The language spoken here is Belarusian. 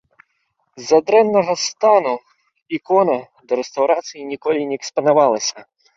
З-за дрэннага стану ікона да рэстаўрацыі ніколі не экспанавалася.